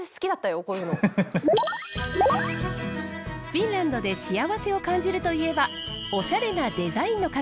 フィンランドで幸せを感じるといえばおしゃれなデザインの数々ですよね。